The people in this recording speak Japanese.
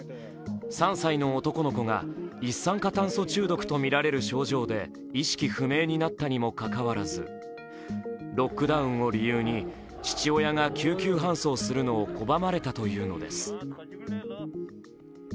３歳の男の子が一酸化炭素中毒とみられる症状で意識不明になったにもかかわらずロックダウンを理由に父親が救急搬送するのを拒まれたというのです。